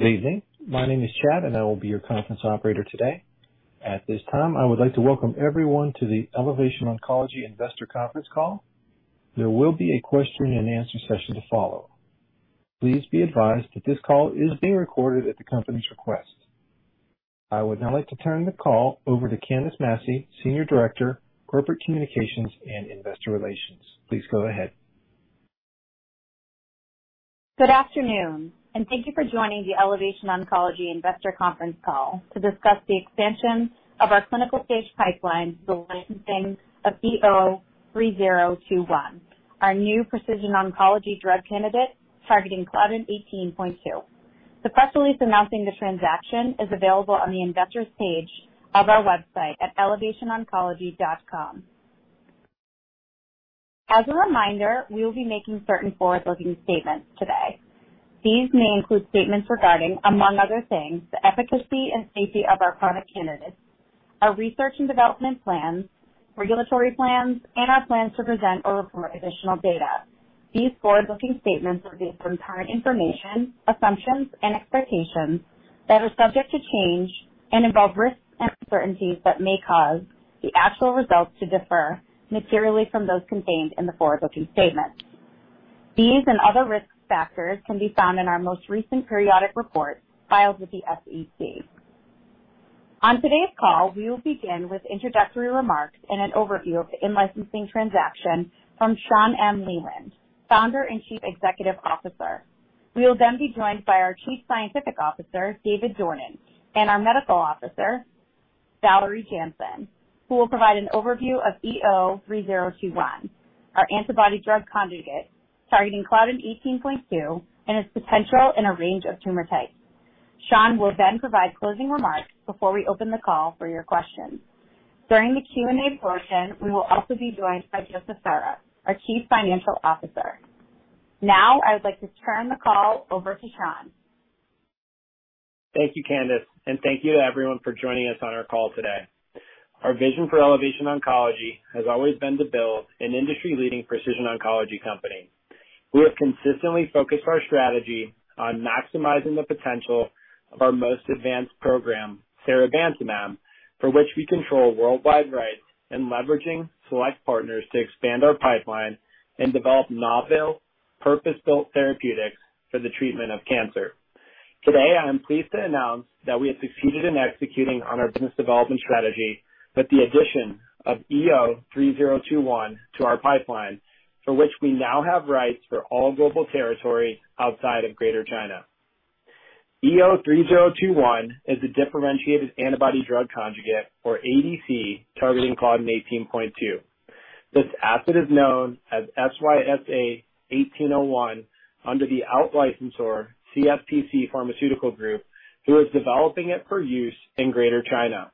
Good evening. My name is Chad, and I will be your conference operator today. At this time, I would like to welcome everyone to the Elevation Oncology Investor Conference Call. There will be a question and answer session to follow. Please be advised that this call is being recorded at the company's request. I would now like to turn the call over to Candice Masse, Senior Director, Corporate Communications & Investor Relations. Please go ahead. Good afternoon, and thank you for joining the Elevation Oncology Investor Conference Call to discuss the expansion of our clinical-stage pipeline through the licensing of EO-3021, our new precision oncology drug candidate targeting Claudin 18.2. The press release announcing the transaction is available on the Investors page of our website at elevationoncology.com. As a reminder, we will be making certain forward-looking statements today. These may include statements regarding, among other things, the efficacy and safety of our product candidates, our research and development plans, regulatory plans, and our plans to present or report additional data. These forward-looking statements are based on current information, assumptions, and expectations that are subject to change and involve risks and uncertainties that may cause the actual results to differ materially from those contained in the forward-looking statements. These and other risk factors can be found in our most recent periodic reports filed with the SEC. On today's call, we will begin with introductory remarks and an overview of the in-licensing transaction from Shawn M. Leland, Founder and Chief Executive Officer. We will then be joined by our Chief Scientific Officer, David Dornan, and our Chief Medical Officer, Valerie Malyvanh Jansen, who will provide an overview of EO-3021, our antibody-drug conjugate targeting Claudin 18.2, and its potential in a range of tumor types. Shawn will then provide closing remarks before we open the call for your questions. During the Q&A portion, we will also be joined by Joseph J. Ferra, our Chief Financial Officer. Now, I would like to turn the call over to Shawn. Thank you, Candice, and thank you to everyone for joining us on our call today. Our vision for Elevation Oncology has always been to build an industry-leading precision oncology company. We have consistently focused our strategy on maximizing the potential of our most advanced program, seribantumab, for which we control worldwide rights, and leveraging select partners to expand our pipeline and develop novel, purpose-built therapeutics for the treatment of cancer. Today, I am pleased to announce that we have succeeded in executing on our business development strategy with the addition of EO-3021 to our pipeline, for which we now have rights for all global territories outside of Greater China. EO-3021 is a differentiated antibody drug conjugate, or ADC, targeting claudin 18.2. This asset is known as SYSA1801 under the out-licensor CSPC Pharmaceutical Group, who is developing it for use in Greater China.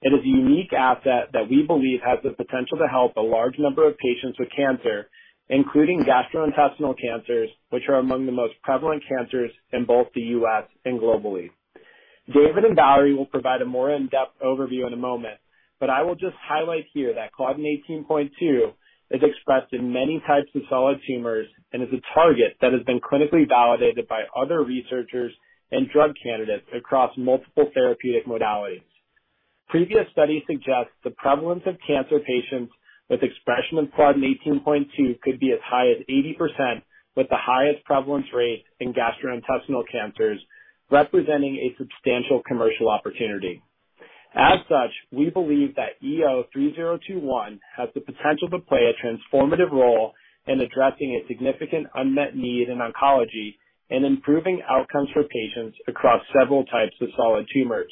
It is a unique asset that we believe has the potential to help a large number of patients with cancer, including gastrointestinal cancers, which are among the most prevalent cancers in both the U.S. and globally. David and Valerie will provide a more in-depth overview in a moment, but I will just highlight here that Claudin 18.2 is expressed in many types of solid tumors and is a target that has been clinically validated by other researchers and drug candidates across multiple therapeutic modalities. Previous studies suggest the prevalence of cancer patients with expression of Claudin 18.2 could be as high as 80%, with the highest prevalence rate in gastrointestinal cancers, representing a substantial commercial opportunity. As such, we believe that EO-3021 has the potential to play a transformative role in addressing a significant unmet need in oncology and improving outcomes for patients across several types of solid tumors.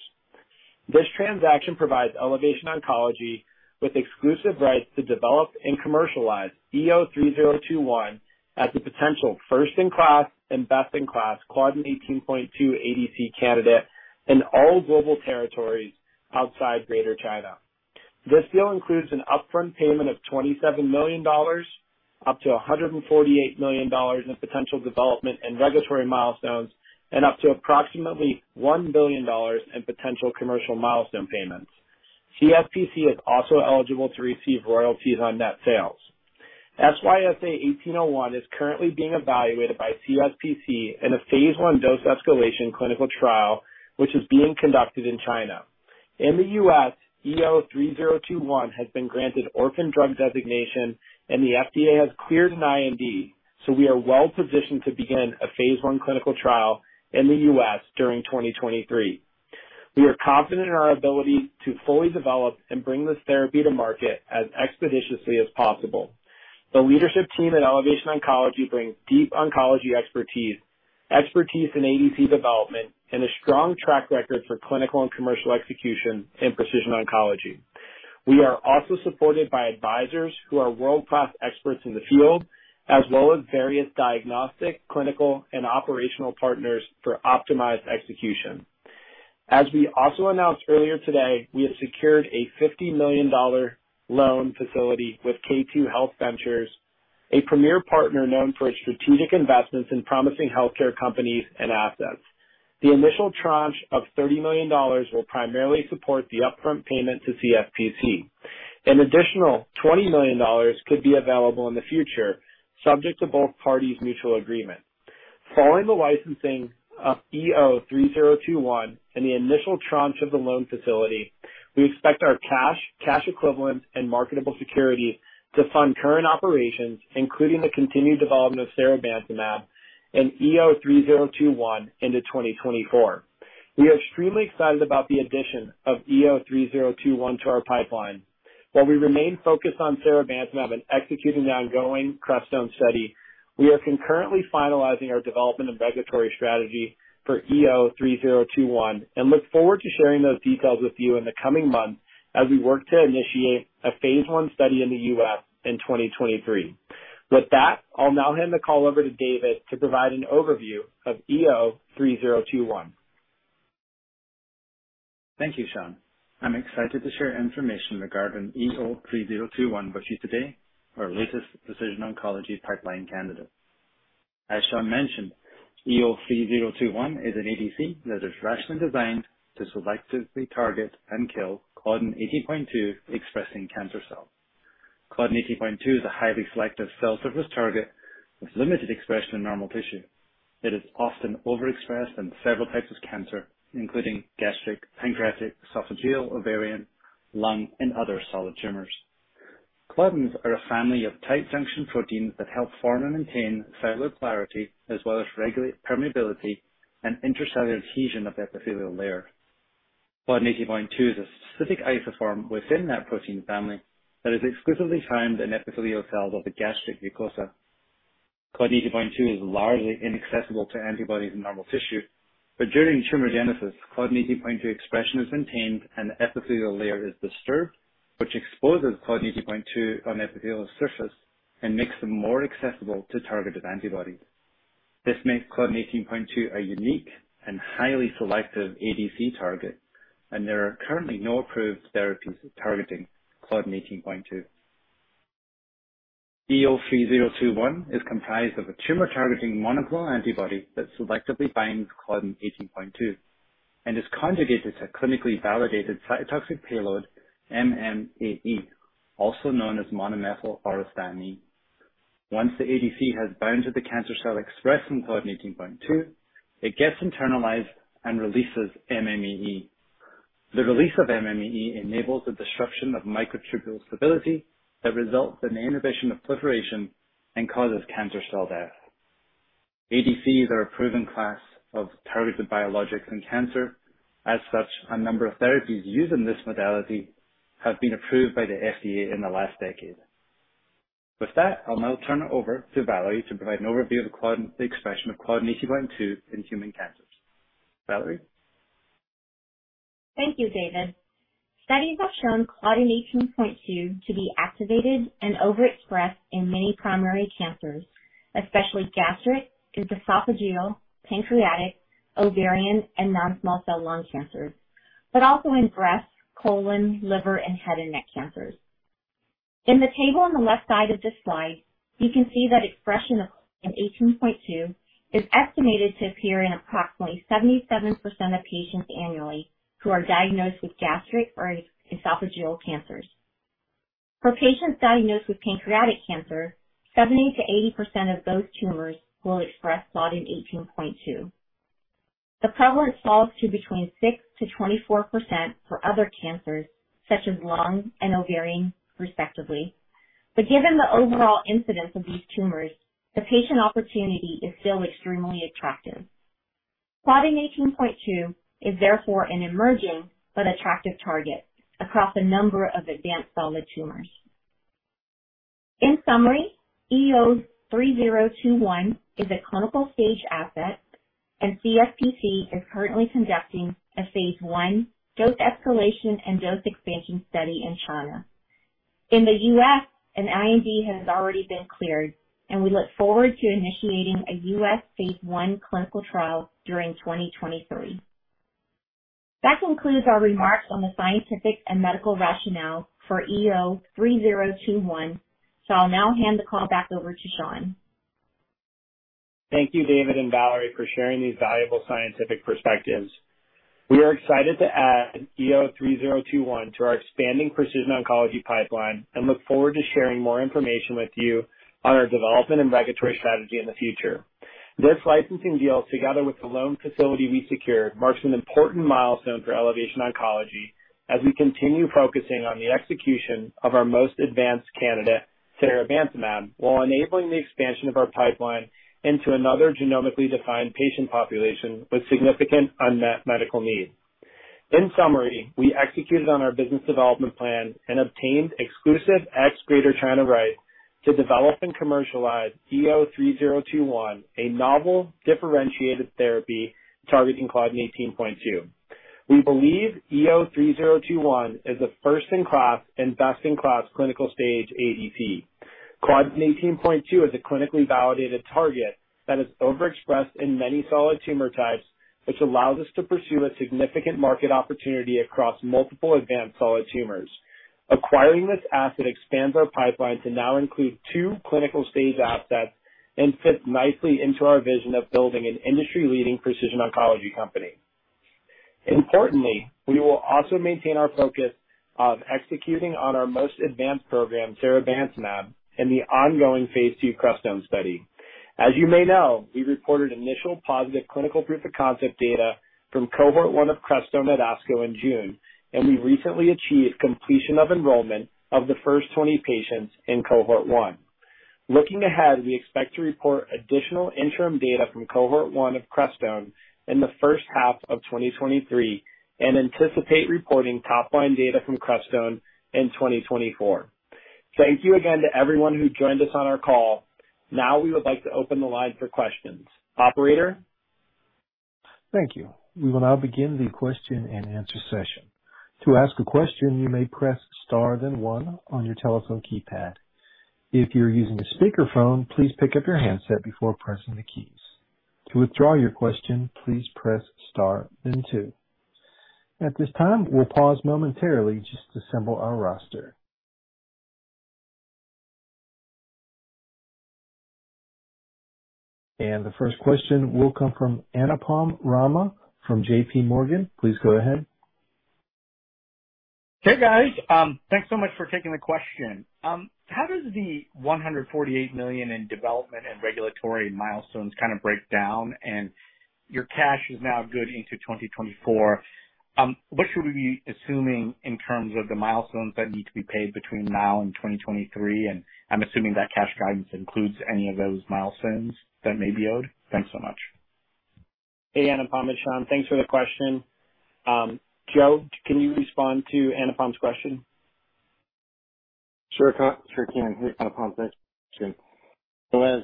This transaction provides Elevation Oncology with exclusive rights to develop and commercialize EO-3021 as the potential first-in-class and best-in-class Claudin 18.2 ADC candidate in all global territories outside Greater China. This deal includes an upfront payment of $27 million, up to $148 million in potential development and regulatory milestones, and up to approximately $1 billion in potential commercial milestone payments. CSPC is also eligible to receive royalties on net sales. SYSA1801 is currently being evaluated by CSPC in a phase I dose escalation clinical trial, which is being conducted in China. In the U.S., EO-3021 has been granted orphan drug designation, and the FDA has cleared an IND, so we are well-positioned to begin a phase I clinical trial in the U.S. during 2023. We are confident in our ability to fully develop and bring this therapy to market as expeditiously as possible. The leadership team at Elevation Oncology brings deep oncology expertise in ADC development, and a strong track record for clinical and commercial execution in precision oncology. We are also supported by advisors who are world-class experts in the field, as well as various diagnostic, clinical, and operational partners for optimized execution. As we also announced earlier today, we have secured a $50 million loan facility with K2 HealthVentures, a premier partner known for its strategic investments in promising healthcare companies and assets. The initial tranche of $30 million will primarily support the upfront payment to CSPC. An additional $20 million could be available in the future, subject to both parties' mutual agreement. Following the licensing of EO3021 and the initial tranche of the loan facility, we expect our cash equivalents, and marketable security to fund current operations, including the continued development of seribantumab and EO3021 into 2024. We are extremely excited about the addition of EO3021 to our pipeline. While we remain focused on seribantumab and executing the ongoing CRESTONE study, we are concurrently finalizing our development and regulatory strategy for EO3021 and look forward to sharing those details with you in the coming months as we work to initiate a Phase I study in the US in 2023. With that, I'll now hand the call over to David to provide an overview of EO3021. Thank you, Sean. I'm excited to share information regarding EO3021 with you today, our latest precision oncology pipeline candidate. As Sean mentioned, EO3021 is an ADC that is rationally designed to selectively target and kill Claudin 18.2 expressing cancer cells. Claudin 18.2 is a highly selective cell surface target with limited expression in normal tissue. It is often overexpressed in several types of cancer, including gastric, pancreatic, esophageal, ovarian, lung, and other solid tumors. Claudins are a family of tight junction proteins that help form and maintain cellular polarity, as well as regulate permeability and intercellular adhesion of the epithelial layer. Claudin 18.2 is a specific isoform within that protein family that is exclusively found in epithelial cells of the gastric mucosa. Claudin 18.2 is largely inaccessible to antibodies in normal tissue, but during tumorigenesis, Claudin 18.2 expression is maintained and the epithelial layer is disturbed, which exposes Claudin 18.2 on epithelial surface and makes them more accessible to targeted antibodies. This makes Claudin 18.2 a unique and highly selective ADC target, and there are currently no approved therapies targeting Claudin 18.2. EO3021 is comprised of a tumor-targeting monoclonal antibody that selectively binds Claudin 18.2 and is conjugated to a clinically validated cytotoxic payload, MMAE, also known as monomethyl auristatin E. Once the ADC has bound to the cancer cell expressing Claudin 18.2, it gets internalized and releases MMAE. The release of MMAE enables the disruption of microtubule stability that results in the inhibition of proliferation and causes cancer cell death. ADCs are a proven class of targeted biologics in cancer. As such, a number of therapies used in this modality have been approved by the FDA in the last decade. With that, I'll now turn it over to Valerie to provide an overview of the Claudin, the expression of Claudin 18.2 in human cancers. Valerie? Thank you, David. Studies have shown Claudin 18.2 to be activated and overexpressed in many primary cancers, especially gastric, esophageal, pancreatic, ovarian, and non-small cell lung cancers, but also in breast, colon, liver, and head and neck cancers. In the table on the left side of this slide, you can see that expression of 18.2 is estimated to appear in approximately 77% of patients annually who are diagnosed with gastric or esophageal cancers. For patients diagnosed with pancreatic cancer, 70%-80% of those tumors will express Claudin 18.2. The prevalence falls to between 6%-24% for other cancers, such as lung and ovarian, respectively. Given the overall incidence of these tumors, the patient opportunity is still extremely attractive. Claudin 18.2 is therefore an emerging but attractive target across a number of advanced solid tumors. In summary, EO3021 is a clinical stage asset, and CSPC is currently conducting a Phase I dose escalation and dose expansion study in China. In the US, an IND has already been cleared, and we look forward to initiating a US Phase I clinical trial during 2023. That concludes our remarks on the scientific and medical rationale for EO3021. I'll now hand the call back over to Shawn. Thank you, David and Valerie, for sharing these valuable scientific perspectives. We are excited to add EO3021 to our expanding precision oncology pipeline and look forward to sharing more information with you on our development and regulatory strategy in the future. This licensing deal, together with the loan facility we secured, marks an important milestone for Elevation Oncology as we continue focusing on the execution of our most advanced candidate seribantumab, while enabling the expansion of our pipeline into another genomically defined patient population with significant unmet medical needs. In summary, we executed on our business development plan and obtained exclusive ex-Greater China rights to develop and commercialize EO3021, a novel differentiated therapy targeting Claudin 18.2. We believe EO3021 is a first-in-class and best-in-class clinical stage ADC. Claudin 18.2 is a clinically validated target that is overexpressed in many solid tumor types, which allows us to pursue a significant market opportunity across multiple advanced solid tumors. Acquiring this asset expands our pipeline to now include two clinical stage assets and fits nicely into our vision of building an industry-leading precision oncology company. Importantly, we will also maintain our focus on executing on our most advanced program, seribantumab, in the ongoing Phase II Crestone study. As you may know, we reported initial positive clinical proof of concept data from cohort 1 of Crestone at ASCO in June, and we recently achieved completion of enrollment of the first 20 patients in cohort one. Looking ahead, we expect to report additional interim data from cohort 1 of Crestone in the first half of 2023, and anticipate reporting top line data from Crestone in 2024. Thank you again to everyone who joined us on our call. Now we would like to open the line for questions. Operator? Thank you. We will now begin the question and answer session. To ask a question, you may press star then one on your telephone keypad. If you're using a speakerphone, please pick up your handset before pressing the keys. To withdraw your question, please press star then two. At this time, we'll pause momentarily just to assemble our roster. The first question will come from Anupam Rama from J.P. Morgan. Please go ahead. Hey, guys. Thanks so much for taking the question. How does the $148 million in development and regulatory milestones kind of break down? Your cash is now good into 2024. What should we be assuming in terms of the milestones that need to be paid between now and 2023? I'm assuming that cash guidance includes any of those milestones that may be owed. Thanks so much. Hey, Anupam. It's Sean. Thanks for the question. Joe, can you respond to Anupam's question? Sure can. Anupam, thanks. As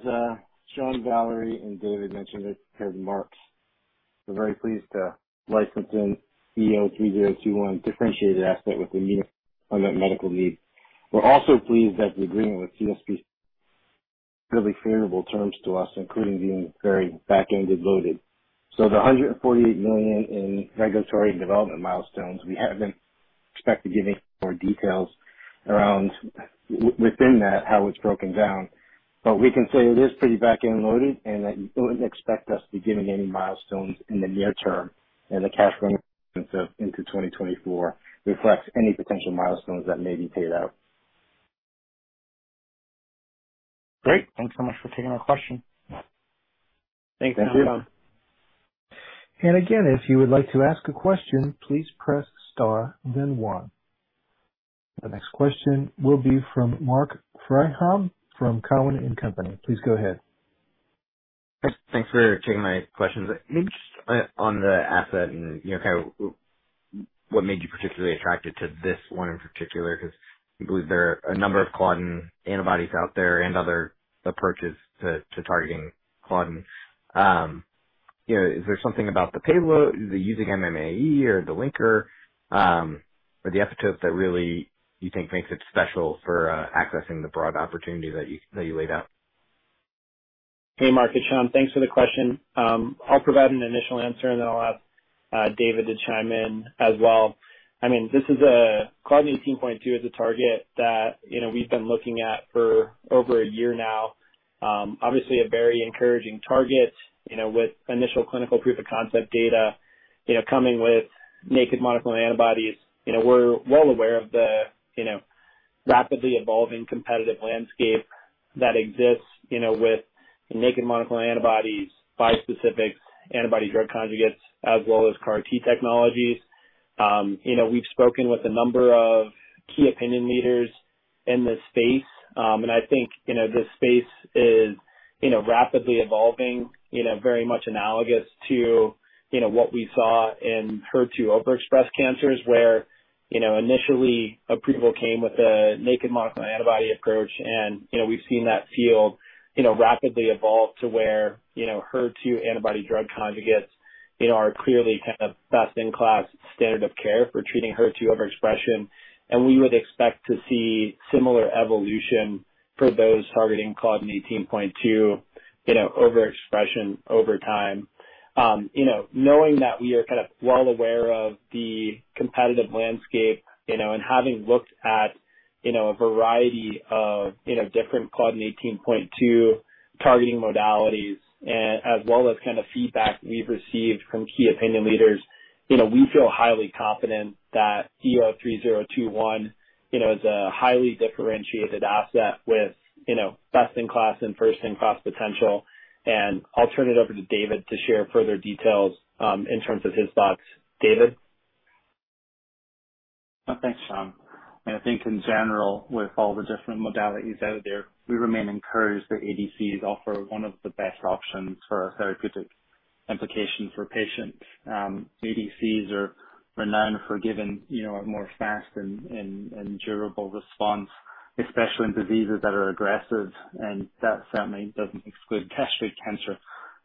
Shawn, Valerie, and David mentioned it, per the remarks, we're very pleased to license in EO-3021 differentiated asset with the unique unmet medical need. We're also pleased that the agreement with CSPC really favorable terms to us, including being very back-end loaded. The $148 million in regulatory and development milestones, we don't expect giving more details around within that, how it's broken down. But we can say it is pretty back-end loaded and that you wouldn't expect us to be giving any milestones in the near term, and the cash flow into 2024 reflects any potential milestones that may be paid out. Great. Thanks so much for taking our question. Thanks, Anupam. Thank you. Again, if you would like to ask a question, please press star then one. The next question will be from Mark Breidenheim from Cowen and Company. Please go ahead. Thanks for taking my questions. Maybe just on the asset and kind of what made you particularly attracted to this one in particular, 'cause I believe there are a number of Claudin antibodies out there and other approaches to targeting Claudin. Is there something about the payload, the using MMAE or the linker, or the epitope that really you think makes it special for accessing the broad opportunity that you laid out? Hey, Mark, it's Sean. Thanks for the question. I'll provide an initial answer, and then I'll ask David to chime in as well. I mean, Claudin 18.2 is a target that we've been looking at for over a year now. Obviously a very encouraging target with initial clinical proof of concept data coming with naked monoclonal antibodies. We're well aware of the rapidly evolving competitive landscape that exists with naked monoclonal antibodies, bispecific antibody-drug conjugates, as well as CAR T technologies. we've spoken with a number of key opinion leaders in this space, and I think this space is rapidly evolving very much analogous to what we saw in HER2 overexpressed cancers where initially approval came with a naked monoclonal antibody approach. We've seen that field rapidly evolve to where HER2 antibody-drug conjugates are clearly kind of best in class standard of care for treating HER2 overexpression. We would expect to see similar evolution for those targeting Claudin 18.2 overexpression over time. knowing that we are kind of well aware of the competitive landscape and having looked at a variety of different Claudin 18.2 targeting modalities, as well as kind of feedback we've received from key opinion leaders we feel highly confident that eo-3021 is a highly differentiated asset with best-in-class and first-in-class potential. I'll turn it over to David to share further details, in terms of his thoughts. David? Thanks, Shawn. I think in general, with all the different modalities out there, we remain encouraged that ADCs offer one of the best options for therapeutic implications for patients. ADCs are renowned for giving a more fast and durable response, especially in diseases that are aggressive, and that certainly doesn't exclude gastric cancer.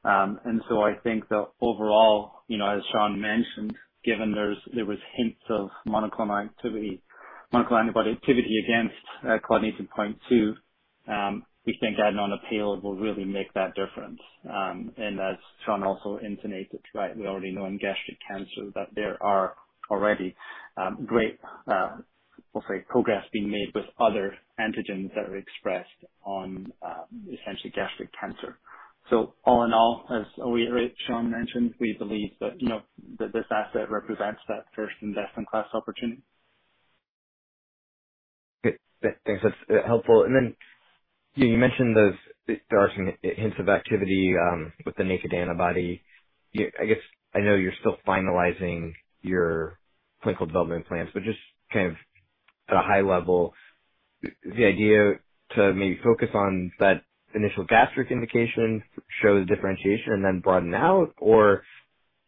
I think that overall as Shawn mentioned, given there was hints of monoclonal antibody activity against Claudin 18.2, we think adding on a payload will really make that difference. As Shawn also intimated, right, we already know in gastric cancer that there are already great, let's say, progress being made with other antigens that are expressed on essentially gastric cancer. All in all, as Shawn mentioned, we believe that that this asset represents that first-in-class opportunity. Good. Thanks, that's helpful. You mentioned there are some hints of activity with the naked antibody. I guess I know you're still finalizing your clinical development plans, but just kind of at a high level, the idea to maybe focus on that initial gastric indication shows differentiation and then broaden out or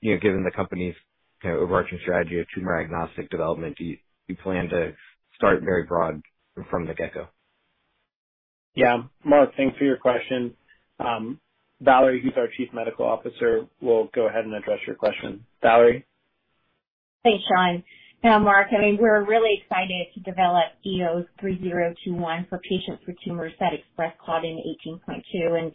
given the company's kind of overarching strategy of tumor agnostic development, do you plan to start very broad from the get go? Yeah. Mark, thanks for your question. Valerie, who's our Chief Medical Officer, will go ahead and address your question. Valerie? Thanks, Sean. Yeah, Mark, I mean, we're really excited to develop EO-3021 for patients for tumors that express Claudin 18.2.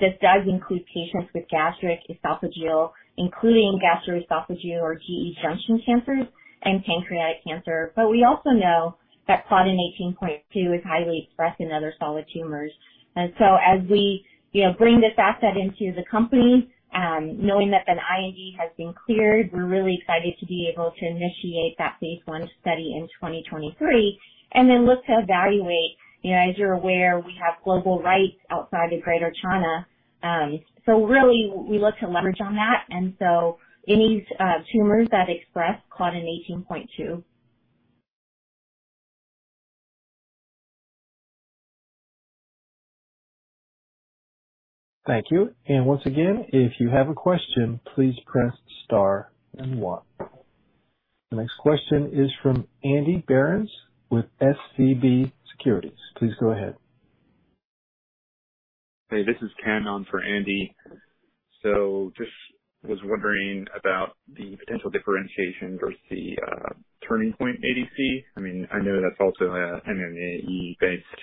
This does include patients with gastric esophageal, including gastroesophageal or GE junction cancers and pancreatic cancer. We also know that Claudin 18.2 is highly expressed in other solid tumors. As we bring this asset into the company, knowing that an IND has been cleared, we're really excited to be able to initiate that Phase I study in 2023 and then look to evaluate. As you're aware, we have global rights outside of Greater China, so really we look to leverage on that, and so any tumors that express Claudin 18.2. Thank you. Once again, if you have a question, please press star and one. The next question is from Andy Birenz with SVB Securities. Please go ahead. Hey, this is Ken on for Andy. Just was wondering about the potential differentiation versus the Turning Point ADC. I mean, I know that's also an MMAE-based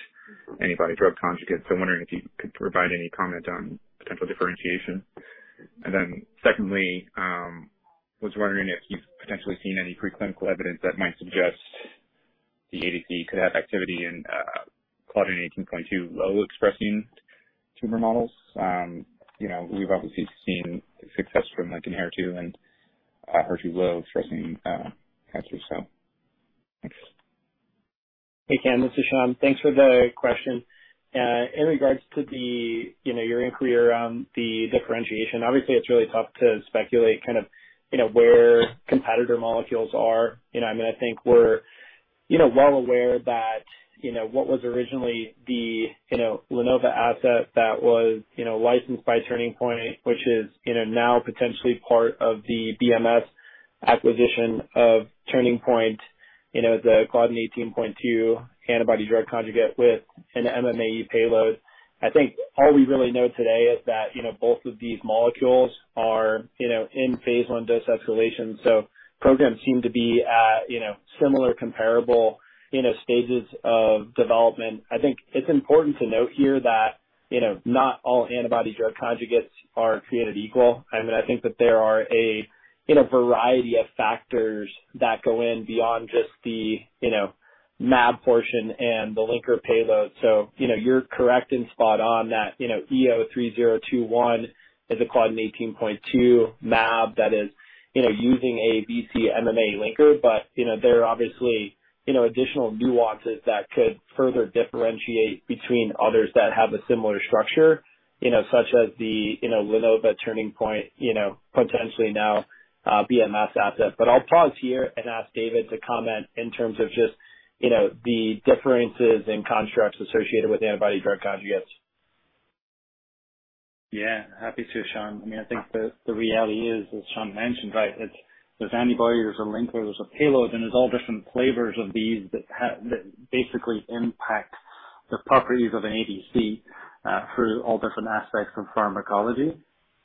antibody-drug conjugate, so I'm wondering if you could provide any comment on potential differentiation. Secondly, was wondering if you've potentially seen any preclinical evidence that might suggest the ADC could have activity in Claudin 18.2 low expressing tumor models. We've obviously seen success from like HER2 and HER2 low expressing cancers. Thanks. Hey, Ken, this is Sean. Thanks for the question. In regards to the your inquiry around the differentiation, obviously it's really tough to speculate kind of where competitor molecules are. I mean, I think we're well aware that what was originally the LaNova asset that was licensed by Turning Point, which is now potentially part of the BMS acquisition of Turning point the Claudin 18.2 antibody-drug conjugate with an MMAE payload. I think all we really know today is that both of these molecules are in Phase I dose escalation, so programs seem to be at similar comparable stages of development. I think it's important to note here that not all antibody-drug conjugates are created equal. I mean, I think that there are a variety of factors that go in beyond just the Mab portion and the linker payload. You're correct and spot on that EO-3021 is a Claudin 18.2 Mab that is using a vc-MMAE linker. There are obviously additional nuances that could further differentiate between others that have a similar structure such as the LaNova Turning point potentially now, BMS asset. I'll pause here and ask David to comment in terms of just the differences in constructs associated with antibody-drug conjugates. Yeah, happy to, Sean. I mean, I think the reality is, as Sean mentioned, right, it's there's antibodies, there's a linker, there's a payload, and there's all different flavors of these that basically impact the properties of an ADC through all different aspects of pharmacology.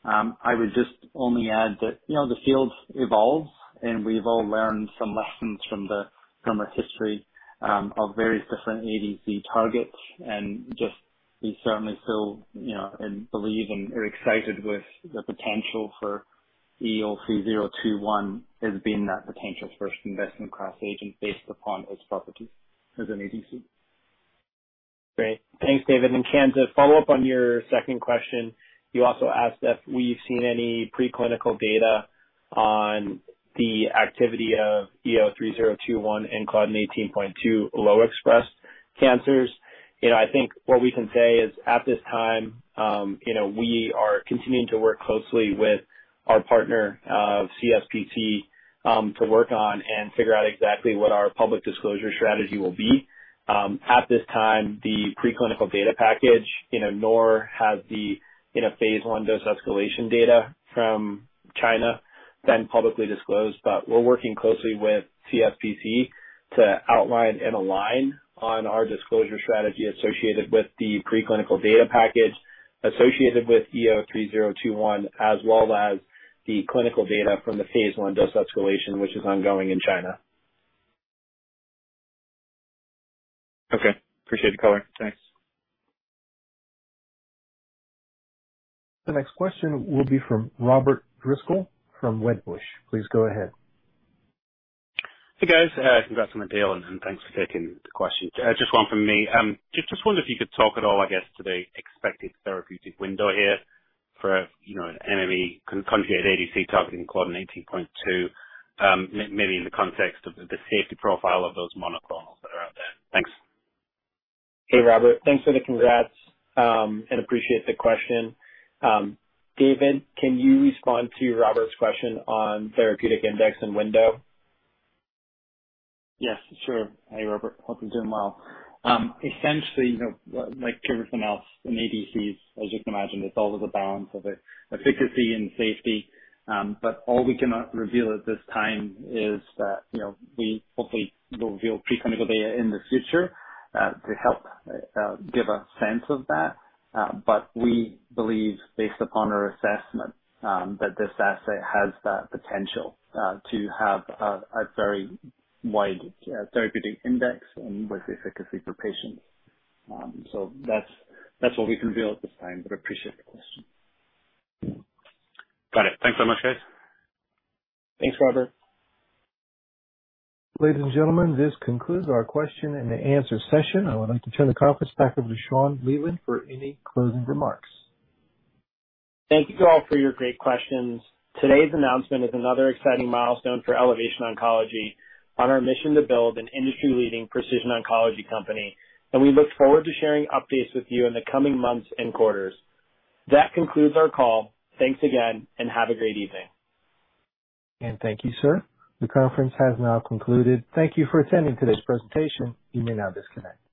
I would just only add that the field evolves and we've all learned some lessons from its history of various different ADC targets. Just we certainly still and believe and are excited with the potential for EO-3021 as being that potential first-in-class agent based upon its properties as an ADC. Great. Thanks, David. Ken, to follow up on your second question, you also asked if we've seen any preclinical data on the activity of EO-3021 in Claudin 18.2 low express cancers. I think what we can say is at this time we are continuing to work closely with our partner, CSPC, to work on and figure out exactly what our public disclosure strategy will be. At this time, the preclinical data package nor has the Phase I dose escalation data from China been publicly disclosed. We're working closely with CSPC to outline and align on our disclosure strategy associated with the preclinical data package associated with EO-3021, as well as the clinical data from the Phase I dose escalation, which is ongoing in China. Okay. Appreciate the color. Thanks. The next question will be from Robert Driscoll from Wedbush. Please go ahead. Hey, guys, congrats on the deal and thanks for taking the question. Just one from me. Just wonder if you could talk at all, I guess, to the expected therapeutic window here for an MMAE conjugate ADC targeting Claudin 18.2, maybe in the context of the safety profile of those monoclonals that are out there. Thanks. Hey, Robert. Thanks for the congrats, and appreciate the question. David, can you respond to Robert's question on therapeutic index and window? Yes, sure. Hey, Robert. Hope you're doing well. essentially like everything else in ADCs, as you can imagine, it's all of the balance of efficacy and safety. All we can reveal at this time is that we hopefully will reveal preclinical data in the future, to help give a sense of that. We believe, based upon our assessment, that this asset has the potential to have a very wide therapeutic index and with efficacy for patients. That's what we can reveal at this time, but appreciate the question. Got it. Thanks so much, guys. Thanks, Robert. Ladies and gentlemen, this concludes our question and answer session. I would like to turn the conference back over to Shawn Leland for any closing remarks. Thank you all for your great questions. Today's announcement is another exciting milestone for Elevation Oncology on our mission to build an industry-leading precision oncology company, and we look forward to sharing updates with you in the coming months and quarters. That concludes our call. Thanks again and have a great evening. Thank you, sir. The conference has now concluded. Thank you for attending today's presentation. You may now disconnect.